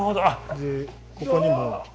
でここにも。